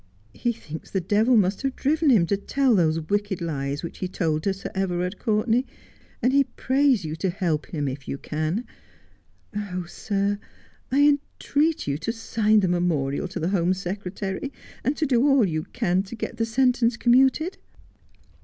He thinks the devil must have driven him to tell those wicked lies which he told to Sir Everard Courtenay, and he prays you to help him if you can. And oh, sir, I entreat you to sign the memorial to the Home Secretary, and to do all you can to get the sentence commuted.'